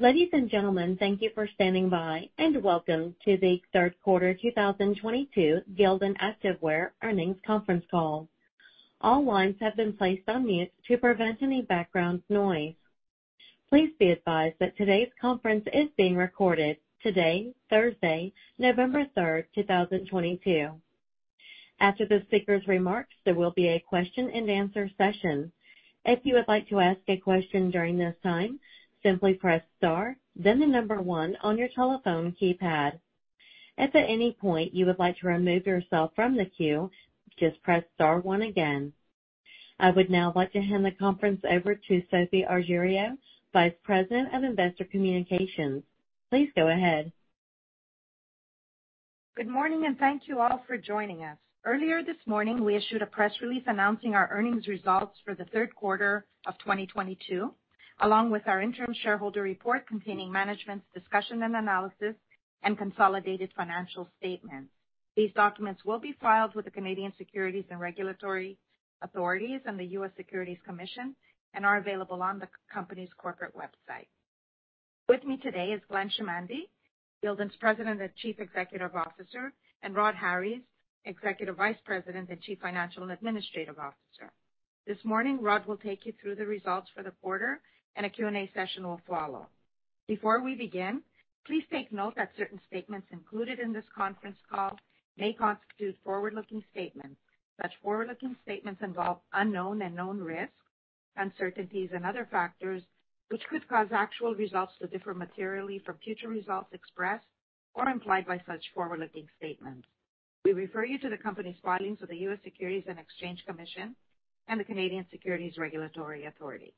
Ladies and gentlemen, thank you for standing by and welcome to the Third Quarter 2022 Gildan Activewear Earnings Conference Call. All lines have been placed on mute to prevent any background noise. Please be advised that today's conference is being recorded today, Thursday, November 3rd, 2022. After the speaker's remarks, there will be a question-and-answer session. If you would like to ask a question during this time, simply press star then the number one on your telephone keypad. If at any point you would like to remove yourself from the queue, just press star one again. I would now like to hand the conference over to Sophie Argiriou, Vice President of Investor Communications. Please go ahead. Good morning, and thank you all for joining us. Earlier this morning, we issued a press release announcing our earnings results for the third quarter of 2022, along with our interim shareholder report containing management's discussion and analysis and consolidated financial statements. These documents will be filed with the Canadian Securities Administrators and the U.S. Securities and Exchange Commission and are available on the company's corporate website. With me today is Glenn Chamandy, Gildan's President and Chief Executive Officer, and Rhodri Harries, Executive Vice President and Chief Financial and Administrative Officer. This morning, Rhod will take you through the results for the quarter and a Q&A session will follow. Before we begin, please take note that certain statements included in this conference call may constitute forward-looking statements. Such forward-looking statements involve unknown and known risks, uncertainties and other factors which could cause actual results to differ materially from future results expressed or implied by such forward-looking statements. We refer you to the company's filings with the US Securities and Exchange Commission and the Canadian Securities Administrators.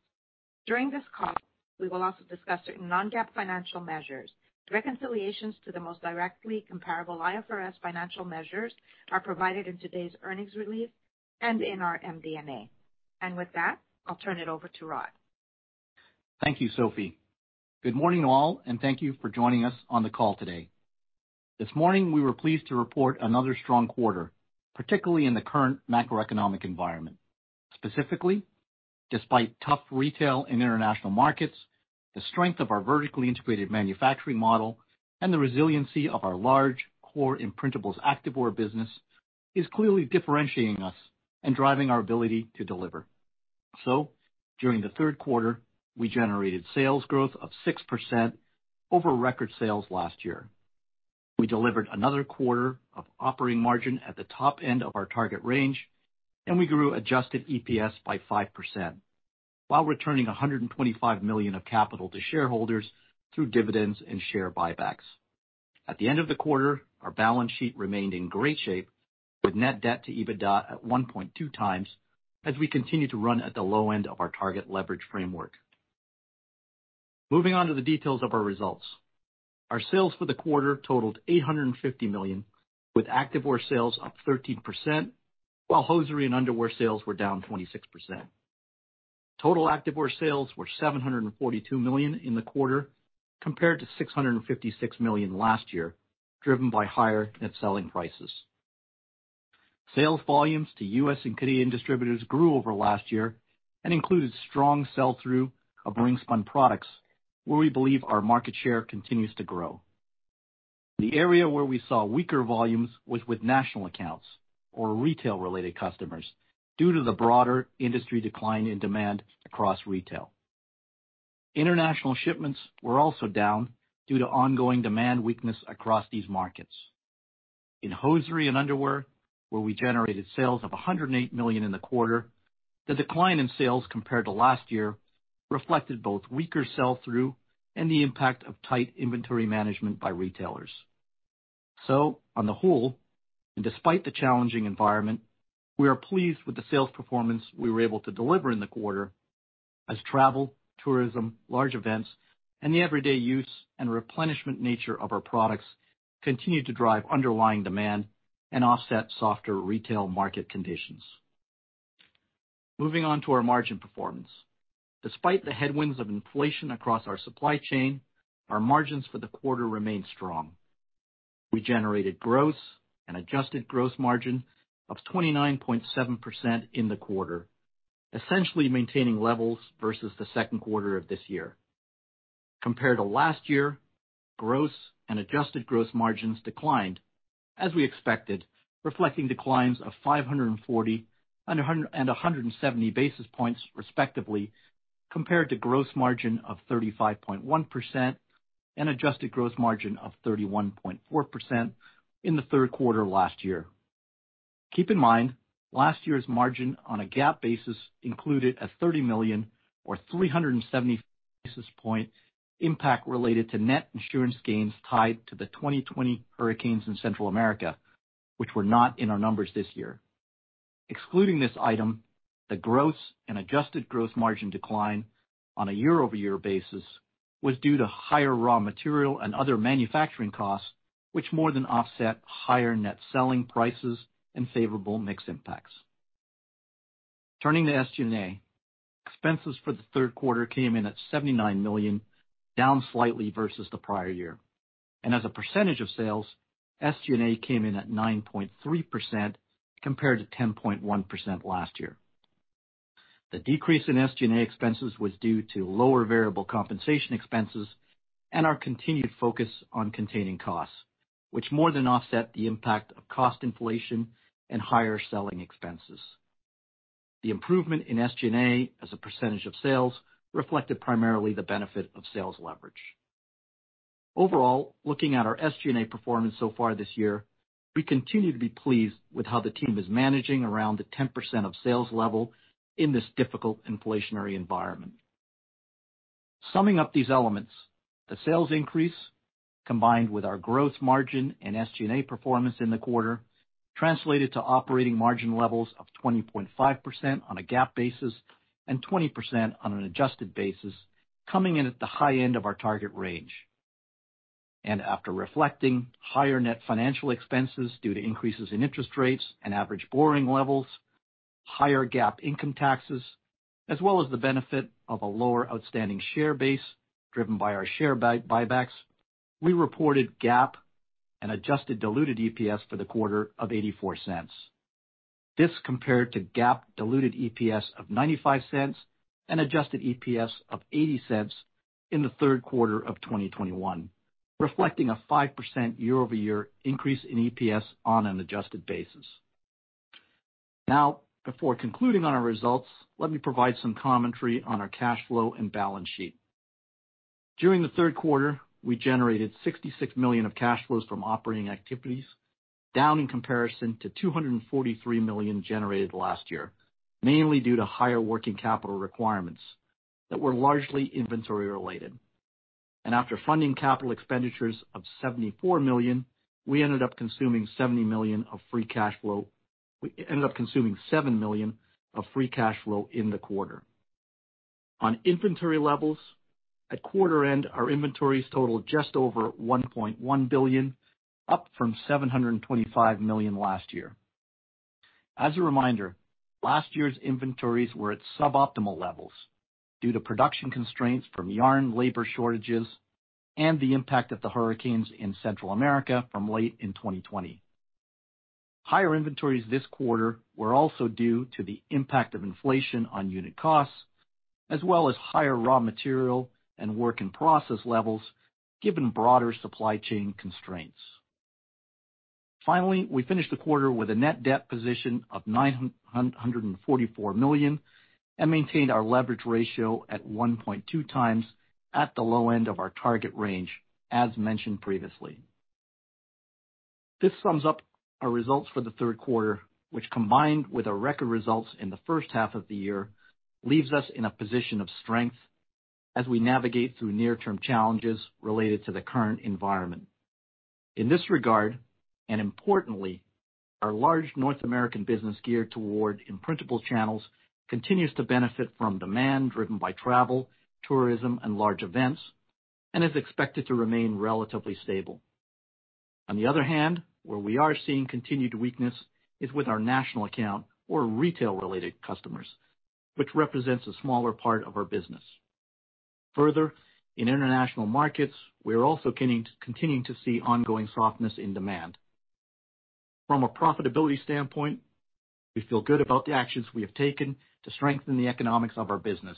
During this call, we will also discuss certain non-GAAP financial measures. Reconciliations to the most directly comparable IFRS financial measures are provided in today's earnings release and in our MD&A. With that, I'll turn it over to Rhod. Thank you, Sophie. Good morning all and thank you for joining us on the call today. This morning, we were pleased to report another strong quarter, particularly in the current macroeconomic environment. Specifically, despite tough retail and international markets, the strength of our vertically integrated manufacturing model and the resiliency of our large core imprintables activewear business is clearly differentiating us and driving our ability to deliver. During the third quarter, we generated sales growth of 6% over record sales last year. We delivered another quarter of operating margin at the top end of our target range, and we grew adjusted EPS by 5% while returning $125 million of capital to shareholders through dividends and share buybacks. At the end of the quarter, our balance sheet remained in great shape, with net debt to EBITDA at 1.2x as we continue to run at the low end of our target leverage framework. Moving on to the details of our results. Our sales for the quarter totaled $850 million, with activewear sales up 13%, while hosiery and underwear sales were down 26%. Total activewear sales were $742 million in the quarter compared to $656 million last year, driven by higher net selling prices. Sales volumes to U.S. and Canadian distributors grew over last year and included strong sell-through of ring spun products where we believe our market share continues to grow. The area where we saw weaker volumes was with national accounts or retail related customers due to the broader industry decline in demand across retail. International shipments were also down due to ongoing demand weakness across these markets. In hosiery and underwear, where we generated sales of $108 million in the quarter, the decline in sales compared to last year reflected both weaker sell through and the impact of tight inventory management by retailers. On the whole, and despite the challenging environment, we are pleased with the sales performance we were able to deliver in the quarter as travel, tourism, large events and the everyday use and replenishment nature of our products continued to drive underlying demand and offset softer retail market conditions. Moving on to our margin performance. Despite the headwinds of inflation across our supply chain, our margins for the quarter remained strong. We generated gross and adjusted gross margin of 29.7% in the quarter, essentially maintaining levels versus the second quarter of this year. Compared to last year, gross and adjusted gross margins declined as we expected, reflecting declines of 540 and 170 basis points respectively, compared to gross margin of 35.1% and adjusted gross margin of 31.4% in the third quarter last year. Keep in mind, last year's margin on a GAAP basis included a $30 million or 370 basis point impact related to net insurance gains tied to the 2020 hurricanes in Central America, which were not in our numbers this year. Excluding this item, the gross and adjusted gross margin decline on a year-over-year basis was due to higher raw material and other manufacturing costs, which more than offset higher net selling prices and favorable mix impacts. Turning to SG&A. Expenses for the third quarter came in at $79 million, down slightly versus the prior year. As a percentage of sales, SG&A came in at 9.3% compared to 10.1% last year. The decrease in SG&A expenses was due to lower variable compensation expenses and our continued focus on containing costs, which more than offset the impact of cost inflation and higher selling expenses. The improvement in SG&A as a percentage of sales reflected primarily the benefit of sales leverage. Overall, looking at our SG&A performance so far this year, we continue to be pleased with how the team is managing around the 10% of sales level in this difficult inflationary environment. Summing up these elements, the sales increase, combined with our gross margin and SG&A performance in the quarter, translated to operating margin levels of 20.5% on a GAAP basis and 20% on an adjusted basis, coming in at the high end of our target range. After reflecting higher net financial expenses due to increases in interest rates and average borrowing levels, higher GAAP income taxes, as well as the benefit of a lower outstanding share base driven by our share buybacks, we reported GAAP and adjusted diluted EPS for the quarter of $0.84. This compared to GAAP diluted EPS of $0.95 and adjusted EPS of $0.80 in the third quarter of 2021, reflecting a 5% year-over-year increase in EPS on an adjusted basis. Now, before concluding on our results, let me provide some commentary on our cash flow and balance sheet. During the third quarter, we generated $66 million of cash flows from operating activities, down in comparison to $243 million generated last year, mainly due to higher working capital requirements that were largely inventory related. After funding capital expenditures of $74 million, we ended up consuming $7 million of free cash flow in the quarter. On inventory levels, at quarter end, our inventories totaled just over $1.1 billion, up from $725 million last year. As a reminder, last year's inventories were at suboptimal levels due to production constraints from yarn labor shortages and the impact of the hurricanes in Central America from late in 2020. Higher inventories this quarter were also due to the impact of inflation on unit costs, as well as higher raw material and work in process levels given broader supply chain constraints. Finally, we finished the quarter with a net debt position of $944 million and maintained our leverage ratio at 1.2x at the low end of our target range, as mentioned previously. This sums up our results for the third quarter, which combined with our record results in the first half of the year, leaves us in a position of strength as we navigate through near-term challenges related to the current environment. In this regard, and importantly, our large North American business geared toward imprintable channels continues to benefit from demand driven by travel, tourism, and large events, and is expected to remain relatively stable. On the other hand, where we are seeing continued weakness is with our national account or retail-related customers, which represents a smaller part of our business. Further, in international markets, we are also continuing to see ongoing softness in demand. From a profitability standpoint, we feel good about the actions we have taken to strengthen the economics of our business.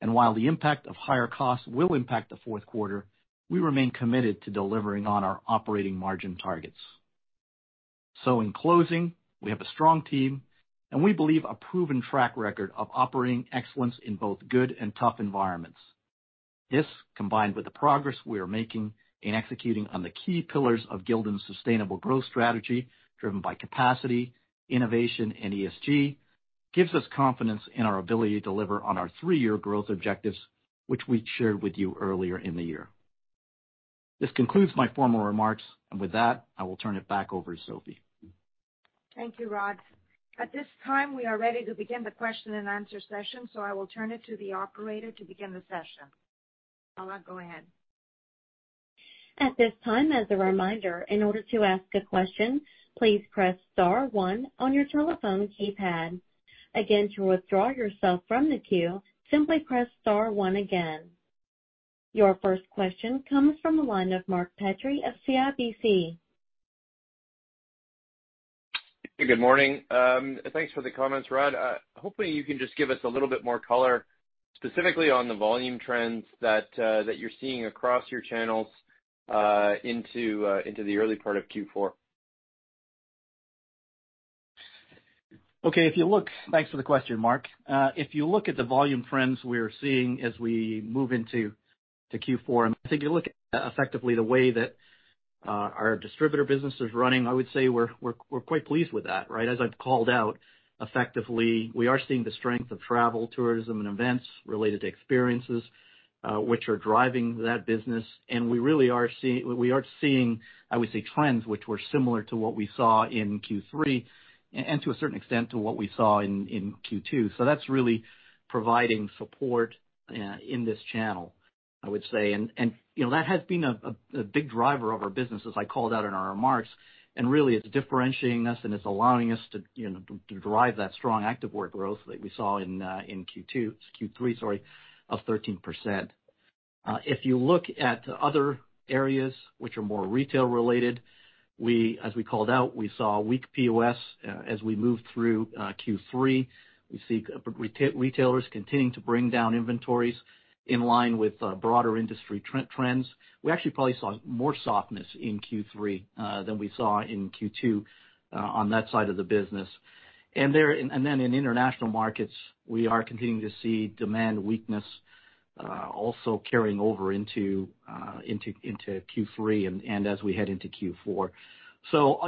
While the impact of higher costs will impact the fourth quarter, we remain committed to delivering on our operating margin targets. In closing, we have a strong team and we believe a proven track record of operating excellence in both good and tough environments. This, combined with the progress we are making in executing on the key pillars of Gildan's sustainable growth strategy driven by capacity, innovation, and ESG, gives us confidence in our ability to deliver on our three-year growth objectives, which we shared with you earlier in the year. This concludes my formal remarks, and with that, I will turn it back over to Sophie. Thank you, Rhod. At this time, we are ready to begin the question and answer session, so I will turn it to the operator to begin the session. Operator, go ahead. At this time, as a reminder, in order to ask a question, please press star one on your telephone keypad. Again, to withdraw yourself from the queue, simply press star one again. Your first question comes from the line of Mark Petrie of CIBC. Good morning. Thanks for the comments, Rhod. Hopefully you can just give us a little bit more color specifically on the volume trends that you're seeing across your channels into the early part of Q4. Okay. Thanks for the question, Mark. If you look at the volume trends we are seeing as we move into the Q4, and I think you look effectively the way that our distributor business is running, I would say we're quite pleased with that, right? As I've called out, effectively, we are seeing the strength of travel, tourism, and events related to experiences, which are driving that business. We really are seeing, I would say, trends which were similar to what we saw in Q3 and to a certain extent to what we saw in Q2. That's really providing support in this channel, I would say. You know that has been a big driver of our business, as I called out in our remarks. Really it's differentiating us and it's allowing us to drive that strong activewear growth that we saw in Q3 of 13%. If you look at other areas which are more retail related, we, as we called out, we saw weak POS as we moved through Q3. We see retailers continuing to bring down inventories in line with broader industry trends. We actually probably saw more softness in Q3 than we saw in Q2 on that side of the business. Then in international markets, we are continuing to see demand weakness also carrying over into Q3 and as we head into Q4.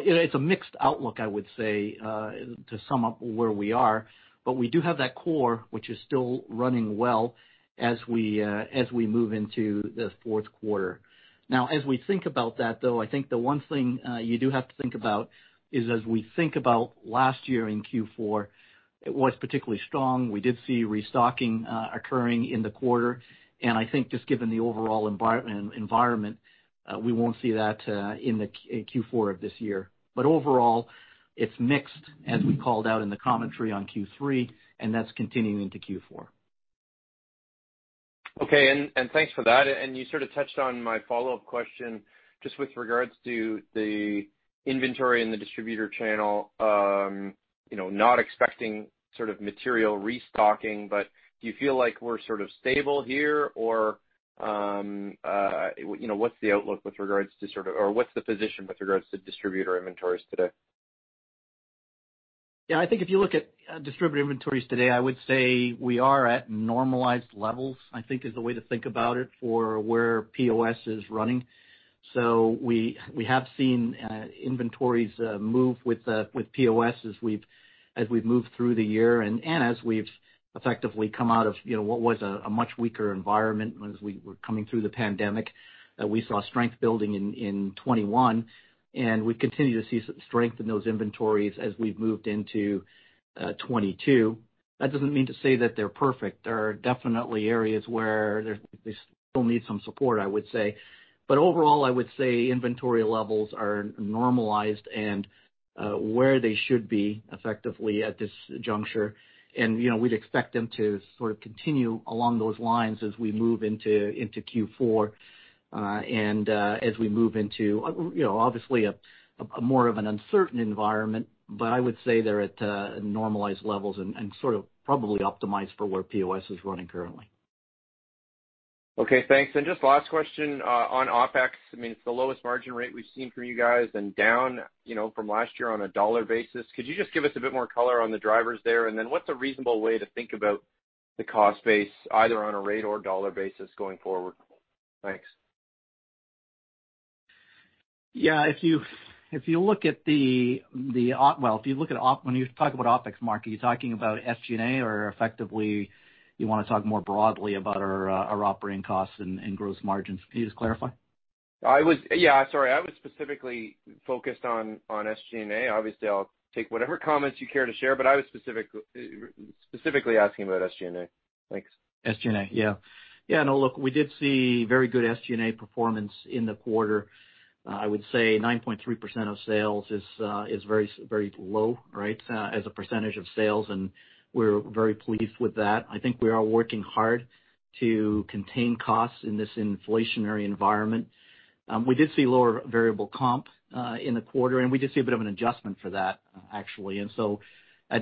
It's a mixed outlook, I would say, to sum up where we are. We do have that core, which is still running well as we move into the fourth quarter. Now, as we think about that, though, I think the one thing you do have to think about is as we think about last year in Q4, it was particularly strong. We did see restocking occurring in the quarter. I think just given the overall environment we won't see that in Q4 of this year. Overall, it's mixed, as we called out in the commentary on Q3, and that's continuing into Q4. Okay, and thanks for that. You sort of touched on my follow-up question just with regards to the inventory in the distributor channel. You know, not expecting sort of material restocking, but do you feel like we're sort of stable here? Or, you know, what's the outlook with regards to or what's the position with regards to distributor inventories today? Yeah. I think if you look at distributor inventories today, I would say we are at normalized levels. I think is the way to think about it for where POS is running. We have seen inventories move with POS as we've moved through the year and as we've effectively come out of, you know, what was a much weaker environment as we were coming through the pandemic. We saw strength building in 2021, and we continue to see strength in those inventories as we've moved into 2022. That doesn't mean to say that they're perfect. There are definitely areas where they still need some support, I would say. Overall, I would say inventory levels are normalized and where they should be effectively at this juncture. You know, we'd expect them to sort of continue along those lines as we move into Q4, and as we move into, you know, obviously a more of an uncertain environment. I would say they're at normalized levels and sort of probably optimized for where POS is running currently. Okay, thanks. Just last question on OpEx. I mean, it's the lowest margin rate we've seen from you guys and down, you know, from last year on a dollar basis. Could you just give us a bit more color on the drivers there? Then what's a reasonable way to think about the cost base, either on a rate or dollar basis going forward? Thanks. Yeah, If you look at the, when you talk about OpEx, Mark, are you talking about SG&A or effectively you wanna talk more broadly about our operating costs and gross margins? Can you just clarify? Yeah, sorry. I was specifically focused on SG&A. Obviously, I'll take whatever comments you care to share, but I was specifically asking about SG&A. Thanks. SG&A. Yeah. No, look, we did see very good SG&A performance in the quarter. I would say 9.3% of sales is very, very low, right, as a percentage of sales, and we're very pleased with that. I think we are working hard to contain costs in this inflationary environment. We did see lower variable comp in the quarter, and we did see a bit of an adjustment for that, actually.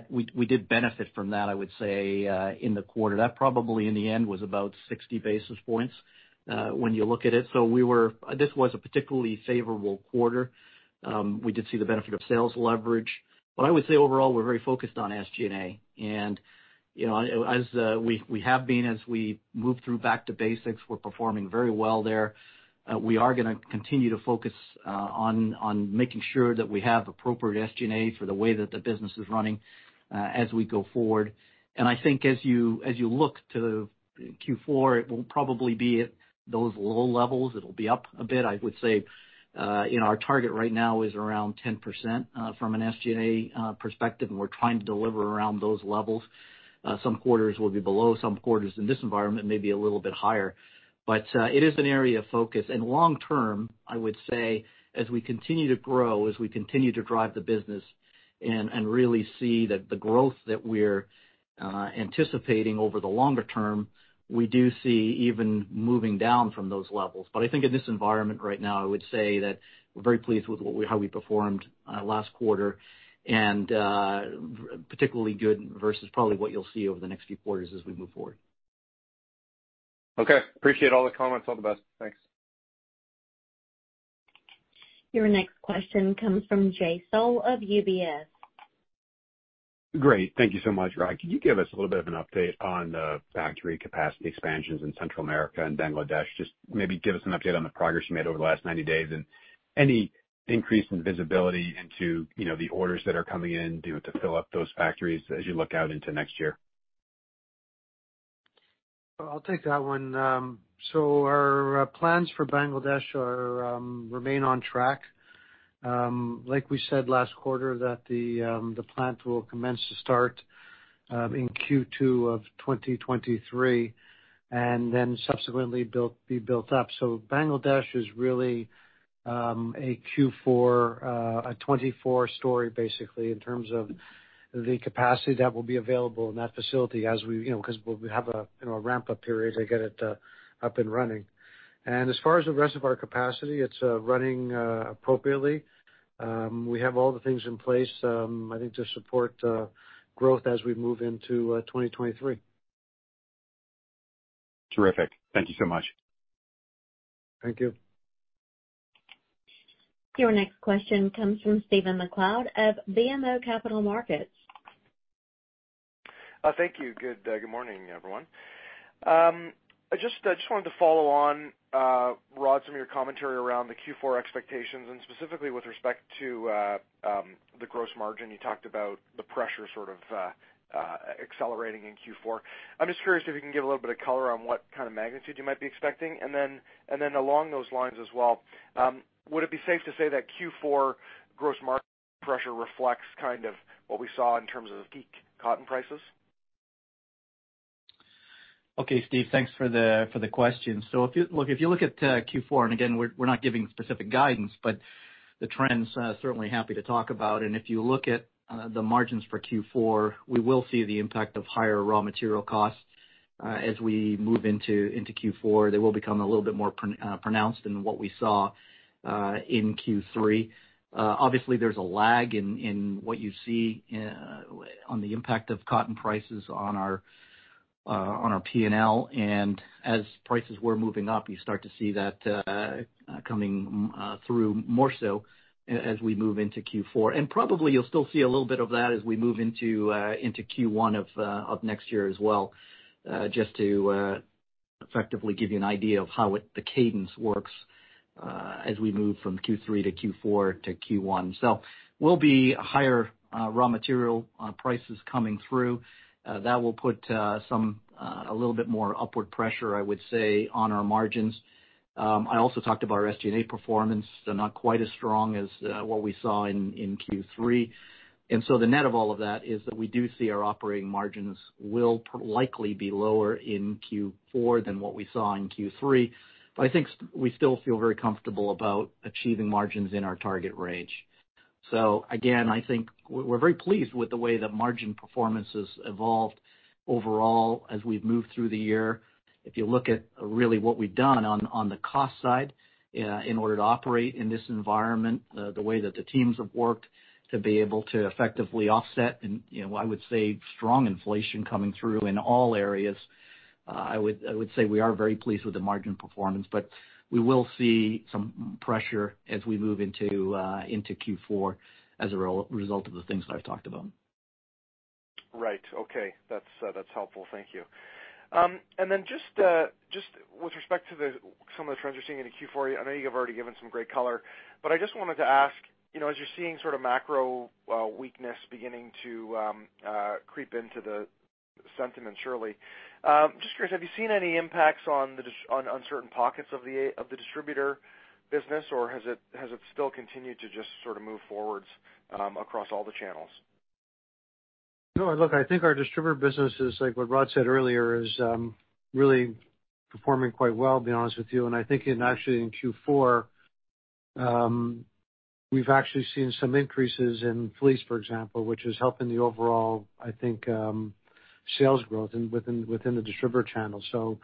We did benefit from that, I would say, in the quarter. That probably in the end was about 60 basis points, when you look at it. This was a particularly favorable quarter. We did see the benefit of sales leverage. I would say overall, we're very focused on SG&A. You know, as we move through Back to Basics, we're performing very well there. We are gonna continue to focus on making sure that we have appropriate SG&A for the way that the business is running, as we go forward. I think as you look to Q4, it will probably be at those low levels. It'll be up a bit. I would say, you know, our target right now is around 10%, from an SG&A perspective, and we're trying to deliver around those levels. Some quarters will be below, some quarters in this environment may be a little bit higher. It is an area of focus. Long term, I would say as we continue to grow, as we continue to drive the business and really see that the growth that we're anticipating over the longer term, we do see even moving down from those levels. But I think in this environment right now, I would say that we're very pleased with how we performed last quarter, and particularly good versus probably what you'll see over the next few quarters as we move forward. Okay. Appreciate all the comments. All the best. Thanks. Your next question comes from Jay Sole of UBS. Great. Thank you so much. Rhod, can you give us a little bit of an update on the factory capacity expansions in Central America and Bangladesh? Just maybe give us an update on the progress you made over the last 90 days and any increase in visibility into, you know, the orders that are coming in due to fill up those factories as you look out into next year. I'll take that one. Our plans for Bangladesh are remain on track. Like we said last quarter that the plant will commence to start in Q2 of 2023, and then subsequently be built up. Bangladesh is really a Q4 2024 story basically, in terms of the capacity that will be available in that facility as we, you know, 'cause we'll have a, you know, a ramp-up period to get it up and running. As far as the rest of our capacity, it's running appropriately. We have all the things in place, I think to support growth as we move into 2023. Terrific. Thank you so much. Thank you. Your next question comes from Stephen MacLeod of BMO Capital Markets. Thank you. Good morning, everyone. I just wanted to follow on, Rhod, some of your commentary around the Q4 expectations, and specifically with respect to the gross margin. You talked about the pressure sort of accelerating in Q4. I'm just curious if you can give a little bit of color on what kind of magnitude you might be expecting. Then along those lines as well, would it be safe to say that Q4 gross margin pressure reflects kind of what we saw in terms of the peak cotton prices? Okay, Steven, thanks for the question. If you look at Q4, and again, we're not giving specific guidance, but the trends we're certainly happy to talk about. If you look at the margins for Q4, we will see the impact of higher raw material costs as we move into Q4. They will become a little bit more pronounced than what we saw in Q3. Obviously, there's a lag in what you see on the impact of cotton prices on our P&L. As prices were moving up, you start to see that coming through more so as we move into Q4. Probably you'll still see a little bit of that as we move into Q1 of next year as well, just to effectively give you an idea of how the cadence works as we move from Q3 to Q4 to Q1. Will be higher raw material prices coming through. That will put some a little bit more upward pressure, I would say, on our margins. I also talked about our SG&A performance. They're not quite as strong as what we saw in Q3. The net of all of that is that we do see our operating margins will likely be lower in Q4 than what we saw in Q3. I think we still feel very comfortable about achieving margins in our target range. Again, I think we're very pleased with the way the margin performance has evolved overall as we've moved through the year. If you look at really what we've done on the cost side, in order to operate in this environment, the way that the teams have worked to be able to effectively offset and, you know, I would say strong inflation coming through in all areas, I would say we are very pleased with the margin performance, but we will see some pressure as we move into Q4 as a result of the things that I've talked about. Right. Okay. That's helpful. Thank you. Just with respect to some of the trends you're seeing in Q4, I know you've already given some great color, but I just wanted to ask, you know, as you're seeing sort of macro weakness beginning to creep into the sentiment surely. Just curious, have you seen any impacts on uncertain pockets of the distributor business, or has it still continued to just sort of move forward across all the channels? No, look, I think our distributor business is like what Rhod said earlier, is really performing quite well, to be honest with you. I think actually in Q4, we've actually seen some increases in fleece, for example, which is helping the overall, I think, sales growth within the distributor channel. You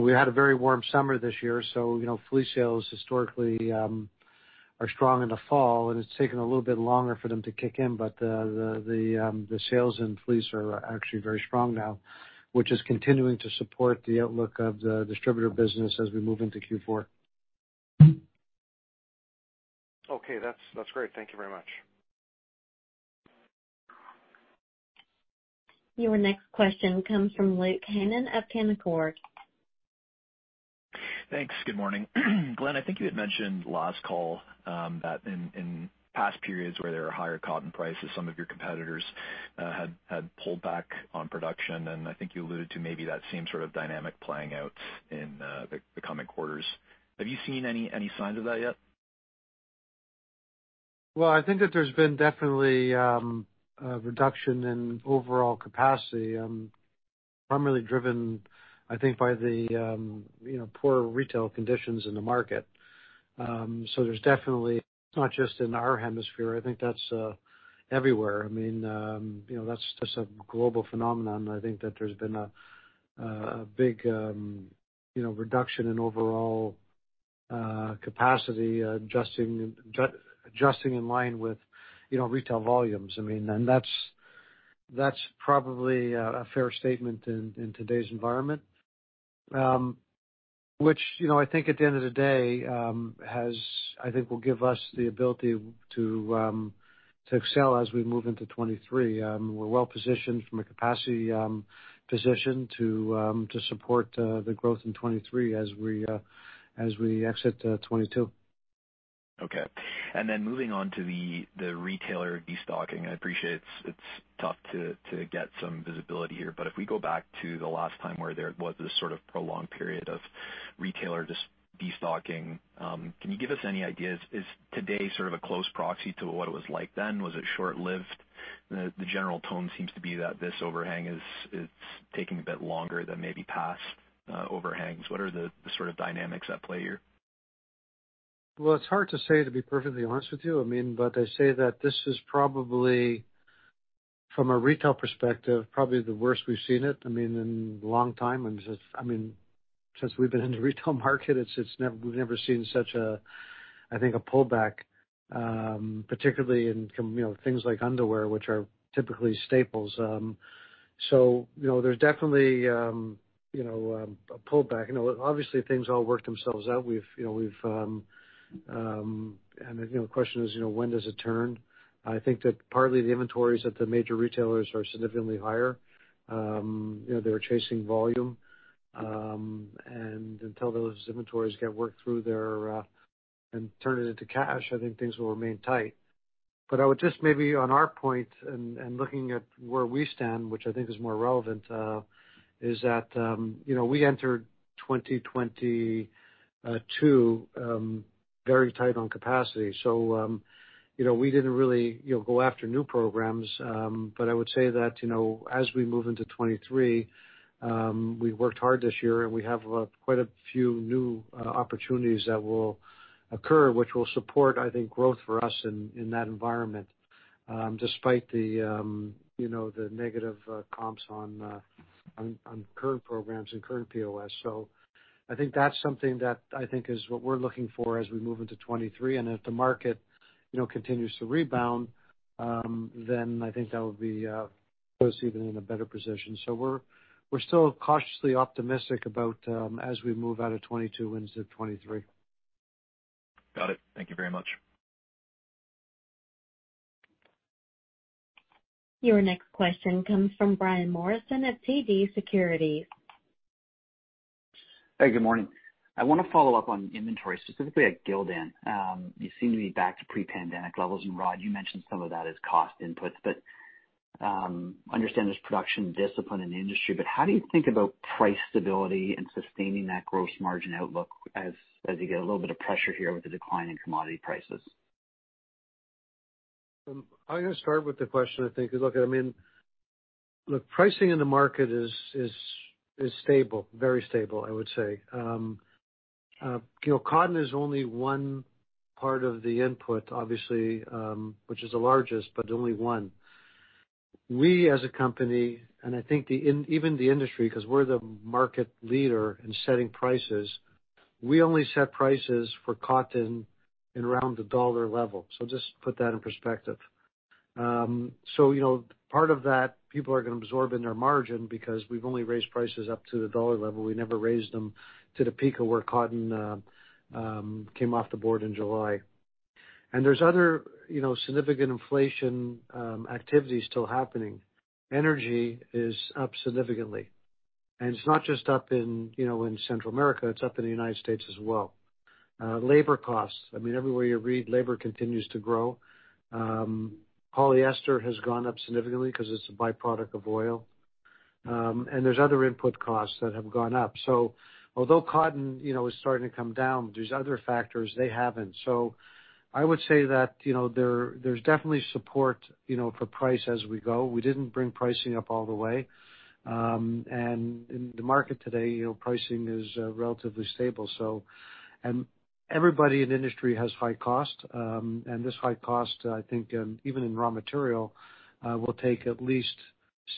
know, we had a very warm summer this year, so you know, fleece sales historically are strong in the fall, and it's taken a little bit longer for them to kick in. The sales in fleece are actually very strong now, which is continuing to support the outlook of the distributor business as we move into Q4. Okay. That's great. Thank you very much. Your next question comes from Luke Hannan of Canaccord. Thanks. Good morning. Glenn, I think you had mentioned last call that in past periods where there were higher cotton prices, some of your competitors had pulled back on production. I think you alluded to maybe that same sort of dynamic playing out in the coming quarters. Have you seen any signs of that yet? Well, I think that there's been definitely a reduction in overall capacity, primarily driven, I think, by the, you know, poor retail conditions in the market. There's definitely, it's not just in our hemisphere. I think that's everywhere. I mean, you know, that's just a global phenomenon. I think that there's been a big, you know, reduction in overall capacity, adjusting in line with, you know, retail volumes. I mean, that's probably a fair statement in today's environment. Which, you know, I think at the end of the day, has. I think will give us the ability to excel as we move into 2023. We're well positioned from a capacity position to support the growth in 2023 as we exit 2022. Okay. Moving on to the retailer destocking. I appreciate it's tough to get some visibility here, but if we go back to the last time where there was this sort of prolonged period of retailer destocking, can you give us any ideas? Is today sort of a close proxy to what it was like then? Was it short-lived? The general tone seems to be that this overhang is taking a bit longer than maybe past overhangs. What are the sort of dynamics at play here? Well, it's hard to say, to be perfectly honest with you. I mean, I say that this is probably, from a retail perspective, probably the worst we've seen it, I mean, in a long time. Since, I mean, since we've been in the retail market, we've never seen such a, I think, a pullback. Particularly in things like underwear, which are typically staples. So, you know, there's definitely a pullback. You know, obviously things all work themselves out. We've, you know, we've. The question is, you know, when does it turn? I think that partly the inventories at the major retailers are significantly higher. You know, they're chasing volume. And until those inventories get worked through their and turned into cash, I think things will remain tight. I would just maybe on our point and looking at where we stand, which I think is more relevant, is that, you know, we entered 2022 very tight on capacity. So, you know, we didn't really, you know, go after new programs. But I would say that, you know, as we move into 2023, we worked hard this year, and we have quite a few new opportunities that will occur, which will support, I think, growth for us in that environment, despite the, you know, the negative comps on current programs and current POS. So I think that's something that I think is what we're looking for as we move into 2023. If the market, you know, continues to rebound, then I think that will be puts even in a better position. We're still cautiously optimistic about as we move out of 2022 into 2023. Got it. Thank you very much. Your next question comes from Brian Morrison at TD Securities. Hey, good morning. I wanna follow up on inventory, specifically at Gildan. You seem to be back to pre-pandemic levels. Rhod, you mentioned some of that as cost inputs, but, understand there's production discipline in the industry, but how do you think about price stability and sustaining that gross margin outlook as you get a little bit of pressure here with the decline in commodity prices? I'm gonna start with the question, I think. Look, I mean, look, pricing in the market is stable, very stable, I would say. You know, cotton is only one part of the input, obviously, which is the largest, but only one. We as a company, and I think even the industry, 'cause we're the market leader in setting prices, we only set prices for cotton in around the dollar level. Just to put that in perspective. You know, part of that people are gonna absorb in their margin because we've only raised prices up to the dollar level. We never raised them to the peak of where cotton came off the board in July. There's other, you know, significant inflation activity still happening. Energy is up significantly, and it's not just up in, you know, in Central America, it's up in the United States as well. Labor costs. I mean, everywhere you read, labor continues to grow. Polyester has gone up significantly because it's a byproduct of oil. There's other input costs that have gone up. Although cotton, you know, is starting to come down, there's other factors. They haven't. I would say that, you know, there's definitely support, you know, for price as we go. We didn't bring pricing up all the way. In the market today, you know, pricing is relatively stable. Everybody in the industry has high cost. This high cost, I think, even in raw material, will take at least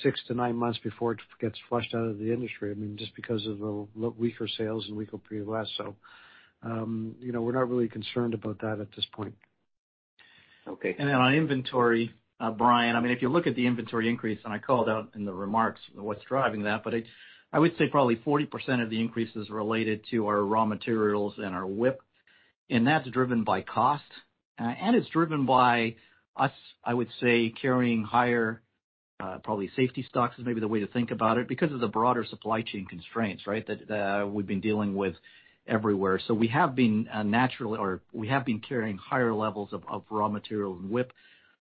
6-9 months before it gets flushed out of the industry. I mean, just because of the weaker sales and weaker POS. You know, we're not really concerned about that at this point. Okay. On inventory, Brian, I mean, if you look at the inventory increase, I called out in the remarks what's driving that, but I would say probably 40% of the increase is related to our raw materials and our WIP, and that's driven by cost. It's driven by us, I would say, carrying higher, probably safety stocks is maybe the way to think about it because of the broader supply chain constraints, right? That we've been dealing with everywhere. We have been naturally or we have been carrying higher levels of raw material and WIP.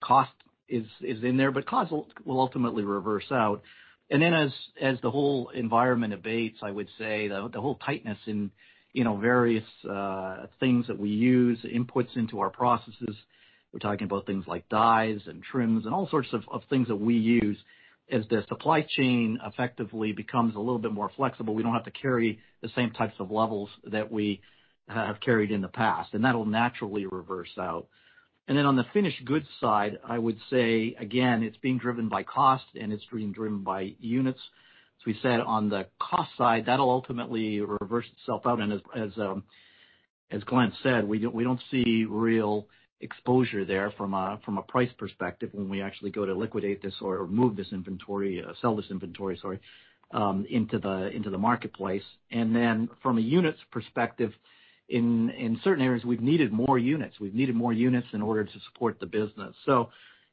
Cost is in there, but cost will ultimately reverse out. As the whole environment abates, I would say the whole tightness in, you know, various things that we use, inputs into our processes, we're talking about things like dyes and trims and all sorts of things that we use. As the supply chain effectively becomes a little bit more flexible, we don't have to carry the same types of levels that we have carried in the past, and that'll naturally reverse out. On the finished goods side, I would say again, it's being driven by cost and it's being driven by units. As we said on the cost side, that'll ultimately reverse itself out. As Glenn said, we don't see real exposure there from a price perspective when we actually go to liquidate this or move this inventory, sell this inventory, sorry, into the marketplace. From a units perspective, in certain areas, we've needed more units in order to support the business.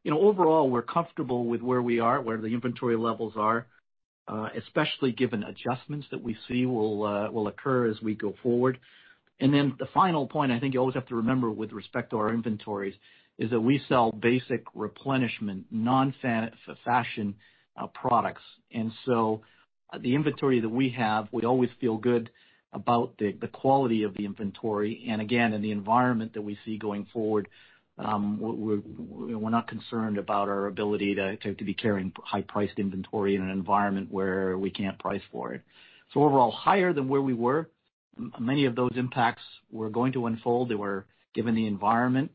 You know, overall, we're comfortable with where we are, where the inventory levels are, especially given adjustments that we see will occur as we go forward. The final point I think you always have to remember with respect to our inventories is that we sell basic replenishment, non-fashion products. The inventory that we have, we always feel good about the quality of the inventory. Again, in the environment that we see going forward, you know, we're not concerned about our ability to be carrying high-priced inventory in an environment where we can't price for it. So overall, higher than where we were. Many of those impacts were going to unfold. They were given the environment.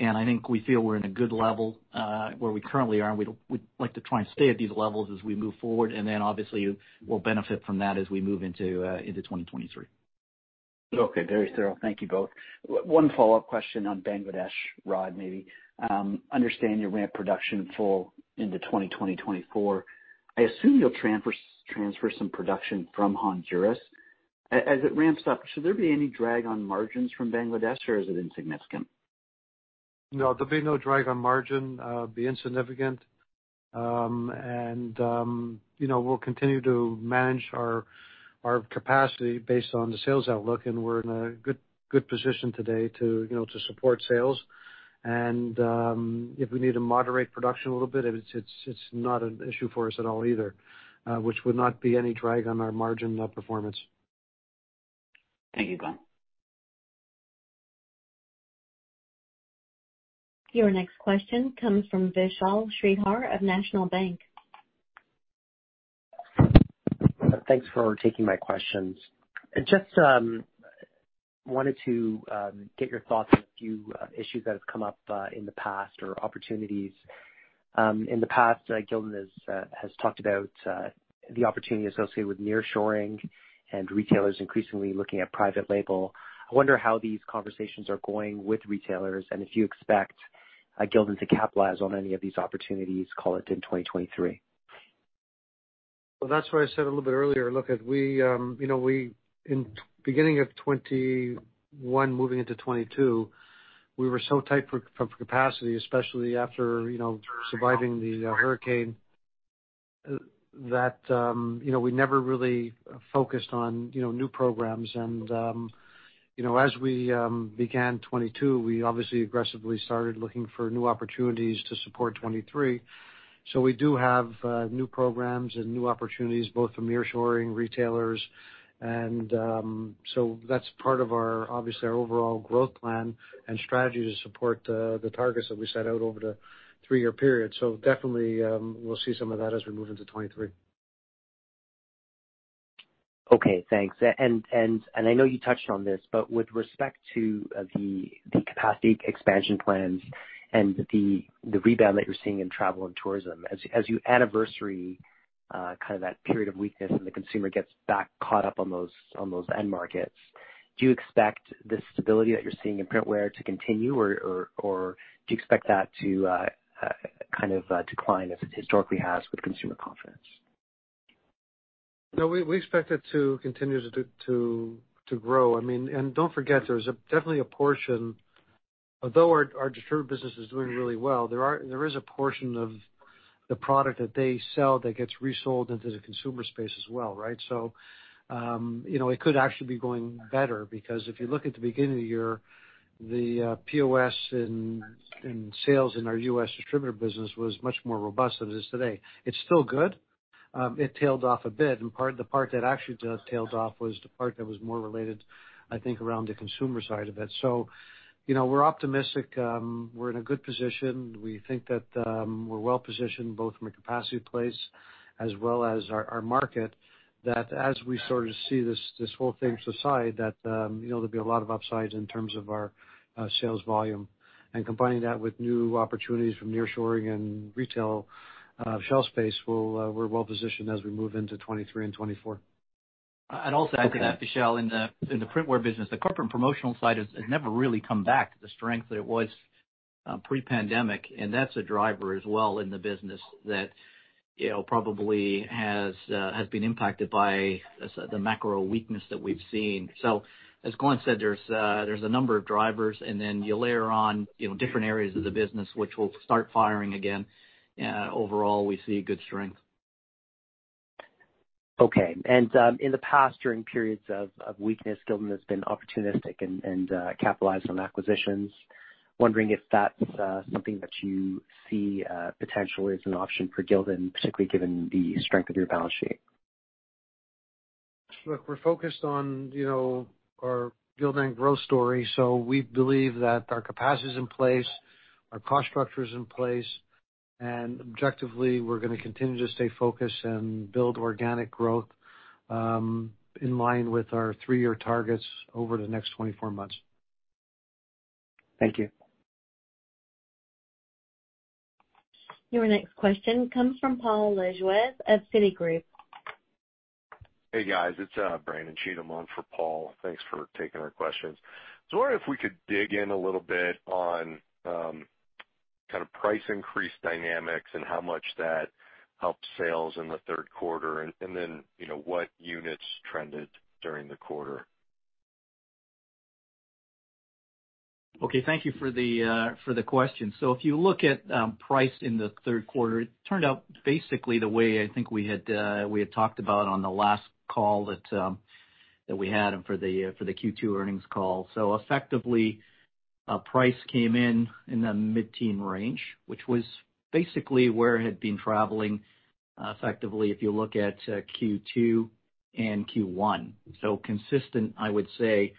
I think we feel we're in a good level where we currently are, and we'd like to try and stay at these levels as we move forward. Then obviously we'll benefit from that as we move into 2023. Okay, very thorough. Thank you both. One follow-up question on Bangladesh, Rhodri, maybe. Understand your ramp production full into 2020, 2024. I assume you'll transfer some production from Honduras. As it ramps up, should there be any drag on margins from Bangladesh, or is it insignificant? No, there'll be no drag on margin, it'll be insignificant. You know, we'll continue to manage our capacity based on the sales outlook, and we're in a good position today to, you know, to support sales. If we need to moderate production a little bit, it's not an issue for us at all either, which would not be any drag on our margin performance. Thank you, Glenn. Your next question comes from Vishal Shreedhar of National Bank. Thanks for taking my questions. I just wanted to get your thoughts on a few issues that have come up in the past or opportunities. In the past, Gildan has talked about the opportunity associated with nearshoring and retailers increasingly looking at private label. I wonder how these conversations are going with retailers and if you expect Gildan to capitalize on any of these opportunities, call it, in 2023. Well, that's why I said a little bit earlier. In beginning of 2021 moving into 2022, we were so tight for capacity, especially after you know, surviving the hurricane that you know, we never really focused on you know, new programs. You know, as we began 2022, we obviously aggressively started looking for new opportunities to support 2023. We do have new programs and new opportunities both from nearshoring retailers and so that's part of our obviously, our overall growth plan and strategy to support the targets that we set out over the three-year period. Definitely, we'll see some of that as we move into 2023. Okay, thanks. I know you touched on this, but with respect to the capacity expansion plans and the rebound that you're seeing in travel and tourism, as you anniversary kind of that period of weakness and the consumer gets back caught up on those end markets, do you expect the stability that you're seeing in printwear to continue or do you expect that to kind of decline as it historically has with consumer confidence? No, we expect it to continue to grow. I mean, don't forget, there's definitely a portion, although our distributor business is doing really well, there is a portion of the product that they sell that gets resold into the consumer space as well, right? You know, it could actually be going better because if you look at the beginning of the year, the POS and sales in our U.S. distributor business was much more robust than it is today. It's still good. It tailed off a bit, the part that actually just tailed off was the part that was more related, I think, around the consumer side of it. You know, we're optimistic. We're in a good position. We think that we're well positioned both from a capacity plays as well as our market, that as we sort of see this whole thing subside, you know, there'll be a lot of upside in terms of our sales volume. Combining that with new opportunities from nearshoring and retail shelf space, we're well positioned as we move into 2023 and 2024. I'd also add to that, Vishal, in the printwear business, the corporate and promotional side has never really come back to the strength that it was pre-pandemic, and that's a driver as well in the business that you know probably has been impacted by, as I said, the macro weakness that we've seen. As Glenn said, there's a number of drivers, and then you layer on you know different areas of the business which will start firing again. Overall, we see good strength. Okay. In the past during periods of weakness, Gildan has been opportunistic and capitalized on acquisitions. Wondering if that's something that you see potentially as an option for Gildan, particularly given the strength of your balance sheet. Look, we're focused on, you know, our Gildan growth story. We believe that our capacity is in place, our cost structure is in place, and objectively, we're gonna continue to stay focused and build organic growth in line with our three-year targets over the next 24 months. Thank you. Your next question comes from Paul Lejuez of Citigroup. Hey, guys. It's Brandon Cheatham on for Paul. Thanks for taking our questions. I was wondering if we could dig in a little bit on kind of price increase dynamics and how much that helped sales in the third quarter and then, you know, what units trended during the quarter. Okay. Thank you for the question. If you look at price in the third quarter, it turned out basically the way I think we had talked about on the last call that we had and for the Q2 earnings call. Effectively, price came in in the mid-teen range, which was basically where it had been traveling, effectively if you look at Q2 and Q1. Consistent, I would say,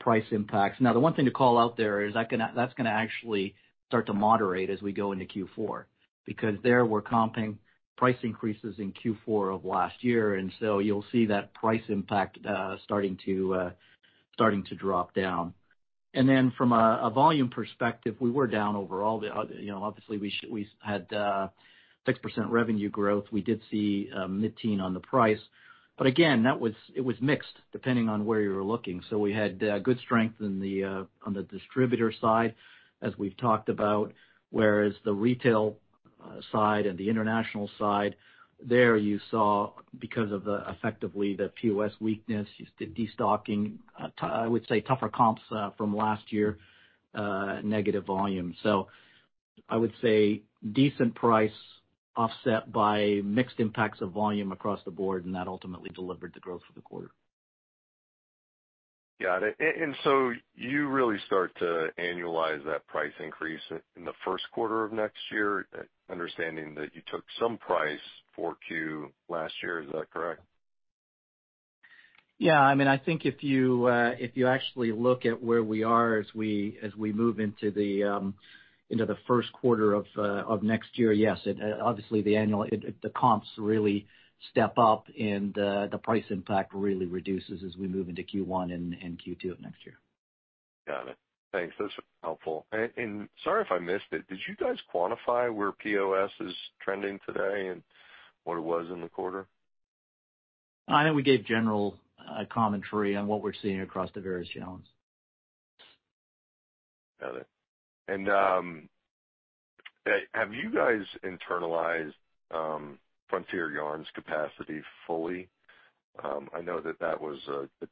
price impacts. Now, the one thing to call out there is that that's gonna actually start to moderate as we go into Q4, because there we're comping price increases in Q4 of last year, and so you'll see that price impact starting to drop down. Then from a volume perspective, we were down overall. You know, obviously we had 6% revenue growth. We did see mid-teens% on the price. Again, that was mixed depending on where you were looking. We had good strength on the distributor side, as we've talked about, whereas the retail side and the international side, there you saw because of effectively the POS weakness, the destocking, I would say tougher comps from last year, negative volume. I would say decent price offset by mixed impacts of volume across the board, and that ultimately delivered the growth for the quarter. Got it. You really start to annualize that price increase in the first quarter of next year, understanding that you took some form Q last year. Is that correct? Yeah. I mean, I think if you actually look at where we are as we move into the first quarter of next year, yes, obviously the comps really step up and the price impact really reduces as we move into Q1 and Q2 of next year. Got it. Thanks. That's helpful. Sorry if I missed it, did you guys quantify where POS is trending today and what it was in the quarter? I know we gave general, commentary on what we're seeing across the various channels. Got it. Have you guys internalized Frontier Yarns capacity fully? I know that was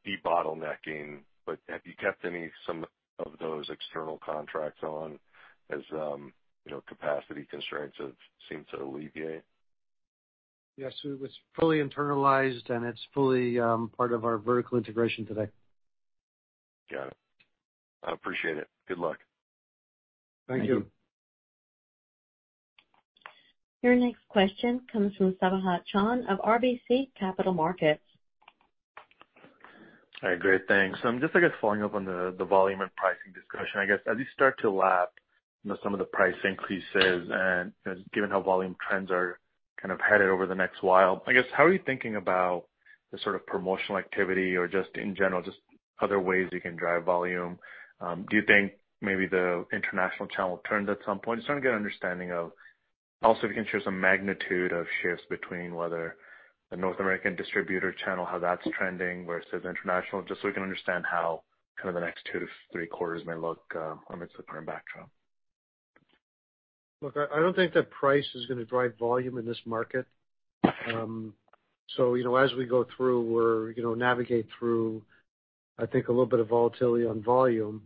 de-bottlenecking, but have you kept any, some of those external contracts on as you know, capacity constraints have seemed to alleviate? Yes, it was fully internalized, and it's fully part of our vertical integration today. Got it. I appreciate it. Good luck. Thank you. Your next question comes from Sabahat Khan of RBC Capital Markets. Hi. Great. Thanks. I'm just, I guess, following up on the volume and pricing discussion. I guess, as you start to lap, you know, some of the price increases and, you know, given how volume trends are kind of headed over the next while, I guess, how are you thinking about the sort of promotional activity or just in general, just other ways you can drive volume? Do you think maybe the international channel turns at some point? Just trying to get an understanding of. Also, if you can share some magnitude of shifts between whether the North American distributor channel, how that's trending versus international, just so we can understand how kind of the next 2-3 quarters may look, amidst the current backdrop. Look, I don't think that price is gonna drive volume in this market. You know, as we go through or, you know, navigate through, I think a little bit of volatility on volume.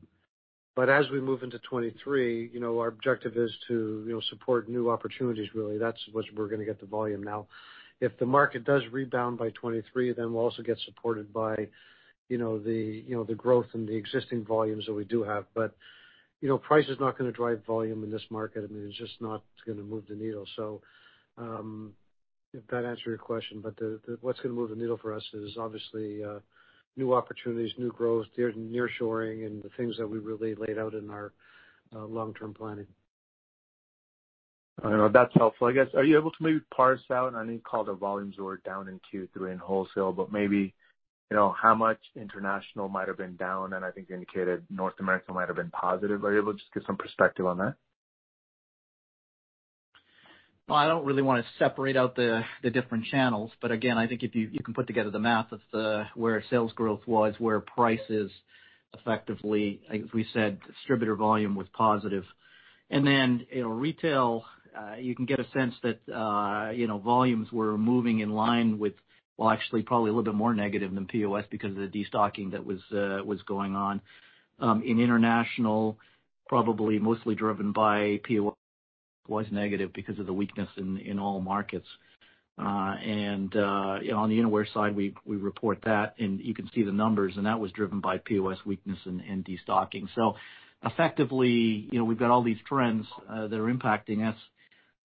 As we move into 2023, you know, our objective is to, you know, support new opportunities really. That's what we're gonna get to volume now. If the market does rebound by 2023, then we'll also get supported by, you know, the growth in the existing volumes that we do have. You know, price is not gonna drive volume in this market. I mean, it's just not gonna move the needle. If that answered your question. What's gonna move the needle for us is obviously new opportunities, new growth, nearshoring, and the things that we really laid out in our long-term planning. All right. That's helpful. I guess, are you able to maybe parse out, I know you called the volumes were down in Q3 in wholesale, but maybe, you know, how much international might have been down, and I think you indicated North America might have been positive. Are you able to just give some perspective on that? Well, I don't really wanna separate out the different channels. But again, I think if you can put together the math of where sales growth was, where price is effectively. I think we said distributor volume was positive. And then, you know, retail, you can get a sense that, you know, volumes were moving in line with, well, actually probably a little bit more negative than POS because of the destocking that was going on. In international, probably mostly driven by PO, was negative because of the weakness in all markets. And, you know, on the innerwear side, we report that, and you can see the numbers, and that was driven by POS weakness and destocking. Effectively, you know, we've got all these trends that are impacting us.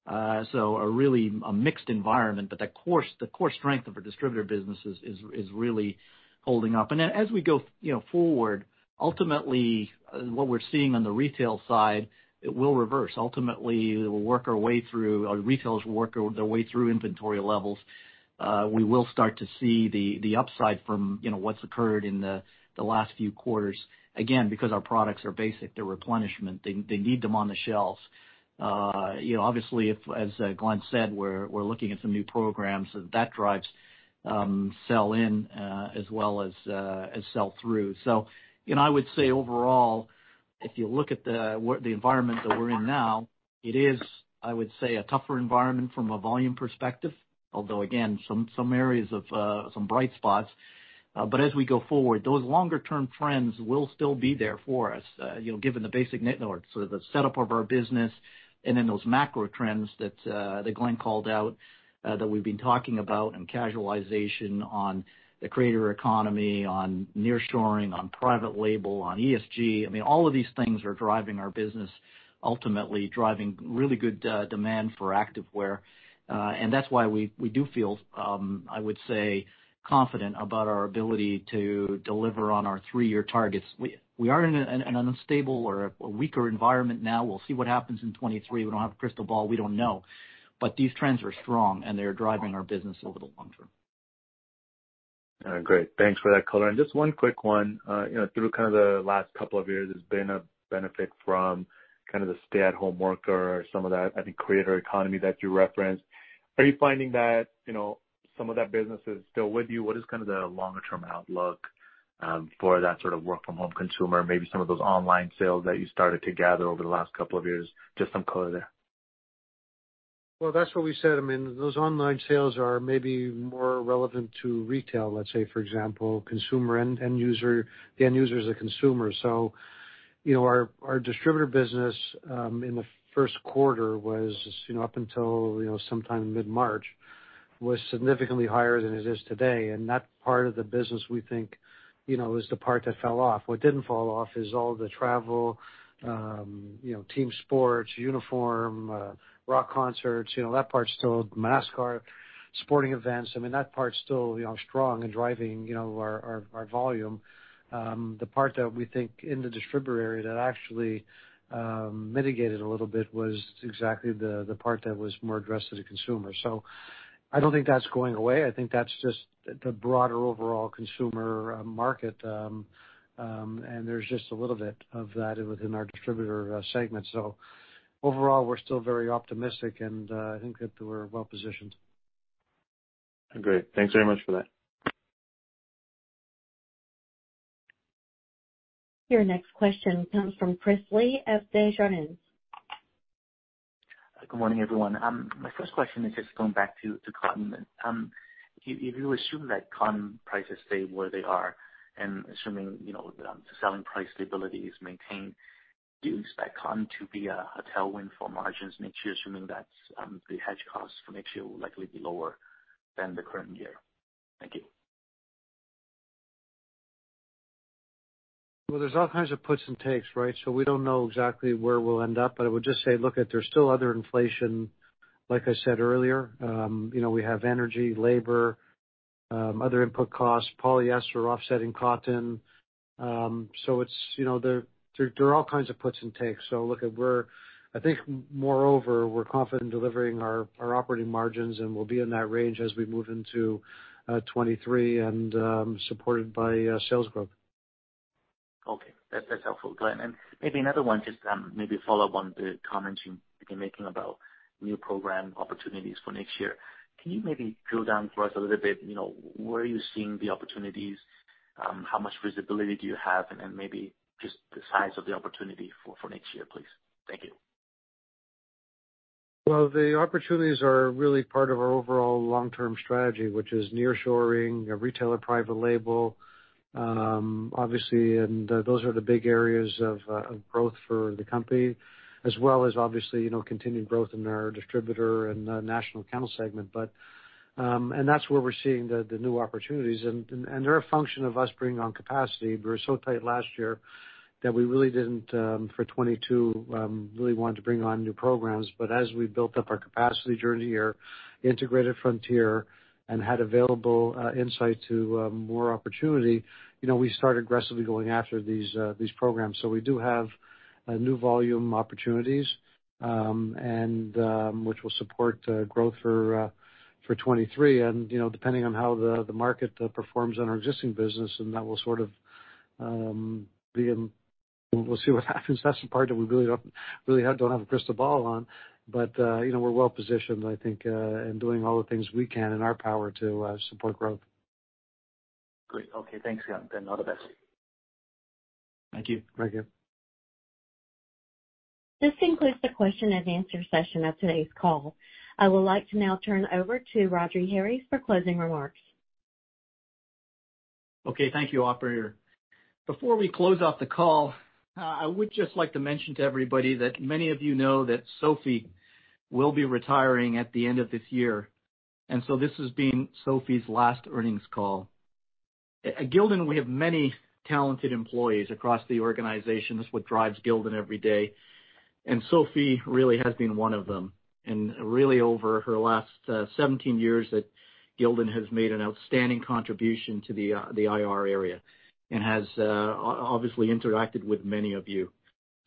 A really mixed environment, but the core strength of our distributor business is really holding up. As we go, you know, forward, ultimately, what we're seeing on the retail side, it will reverse. Ultimately, retailers work their way through inventory levels. We will start to see the upside from, you know, what's occurred in the last few quarters, again, because our products are basic. They're replenishment. They need them on the shelves. You know, obviously if, as Glenn said, we're looking at some new programs that drives sell in, as well as sell through. You know, I would say overall, if you look at the environment that we're in now, it is, I would say, a tougher environment from a volume perspective, although again, some areas, some bright spots. As we go forward, those longer term trends will still be there for us, you know, given the basic nitty-gritty or sort of the setup of our business and then those macro trends that Glenn called out, that we've been talking about in casualization, on the creator economy, on nearshoring, on private label, on ESG. I mean, all of these things are driving our business, ultimately driving really good demand for Activewear. And that's why we do feel, I would say, confident about our ability to deliver on our three-year targets. We are in an unstable or a weaker environment now. We'll see what happens in 2023. We don't have a crystal ball. We don't know. These trends are strong, and they're driving our business over the long term. Great. Thanks for that color. Just one quick one. You know, through kind of the last couple of years, there's been a benefit from kind of the stay-at-home worker, some of that, I think, creator economy that you referenced. Are you finding that, you know, some of that business is still with you? What is kind of the longer term outlook, for that sort of work from home consumer, maybe some of those online sales that you started to gather over the last couple of years? Just some color there. Well, that's what we said. I mean, those online sales are maybe more relevant to retail, let's say for example, consumer end user. The end user is a consumer. You know, our distributor business in the first quarter was up until sometime mid-March significantly higher than it is today. That part of the business, we think, you know, is the part that fell off. What didn't fall off is all the travel, you know, team sports, uniform, rock concerts, you know, that part's still NASCAR, sporting events. I mean, that part's still, you know, strong and driving, you know, our volume. The part that we think in the distributor area that actually mitigated a little bit was exactly the part that was more addressed to the consumer. I don't think that's going away. I think that's just the broader overall consumer market, and there's just a little bit of that within our distributor segment. Overall, we're still very optimistic and, I think that we're well-positioned. Great. Thanks very much for that. Your next question comes from Chris Li of Desjardins. Good morning, everyone. My first question is just going back to cotton. If you assume that cotton prices stay where they are and assuming, you know, the selling price stability is maintained, do you expect cotton to be a tailwind for margins next year, assuming that the hedge costs for next year will likely be lower than the current year? Thank you. Well, there's all kinds of puts and takes, right? So we don't know exactly where we'll end up, but I would just say, look, there's still other inflation. Like I said earlier, you know, we have energy, labor, other input costs, polyester offsetting cotton. So it's, you know, there are all kinds of puts and takes. So look, I think moreover, we're confident in delivering our operating margins and we'll be in that range as we move into 2023, supported by sales growth. Okay, that's helpful, Glenn. Maybe another one, just maybe follow up on the comments you've been making about new program opportunities for next year. Can you maybe drill down for us a little bit, you know, where are you seeing the opportunities? How much visibility do you have? Then maybe just the size of the opportunity for next year, please. Thank you. Well, the opportunities are really part of our overall long-term strategy, which is nearshoring a retailer private label. Obviously, those are the big areas of growth for the company, as well as obviously, you know, continued growth in our distributor and national account segment. That's where we're seeing the new opportunities. They're a function of us bringing on capacity. We were so tight last year that we really didn't for 2022 really want to bring on new programs. As we built up our capacity during the year, integrated Frontier and had available insight to more opportunity, you know, we started aggressively going after these programs. We do have new volume opportunities, which will support growth for 2023. You know, depending on how the market performs on our existing business, and that will sort of. We'll see what happens. That's the part that we really don't have a crystal ball on. You know, we're well-positioned, I think, in doing all the things we can in our power to support growth. Great. Okay, thanks, Glenn. All the best. Thank you. Thank you. This concludes the question and answer session of today's call. I would like to now turn over to Rhodri Harries for closing remarks. Okay, thank you, operator. Before we close off the call, I would just like to mention to everybody that many of you know that Sophie will be retiring at the end of this year. This has been Sophie's last earnings call. At Gildan, we have many talented employees across the organization. That's what drives Gildan every day. Sophie really has been one of them. Really over her last 17 years at Gildan has made an outstanding contribution to the IR area and has obviously interacted with many of you.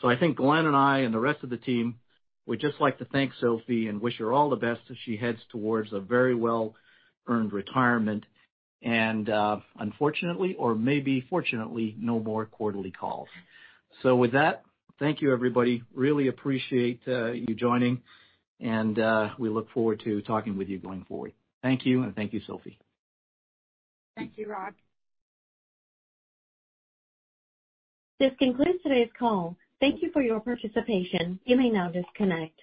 I think Glenn and I and the rest of the team would just like to thank Sophie and wish her all the best as she heads towards a very well-earned retirement. Unfortunately or maybe fortunately, no more quarterly calls. With that, thank you everybody. Really appreciate you joining and we look forward to talking with you going forward. Thank you, and thank you, Sophie. Thank you, Rhod. This concludes today's call. Thank you for your participation. You may now disconnect.